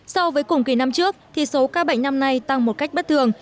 so với cùng kỳ năm trước thì số ca bệnh năm nay tăng một cách bất thường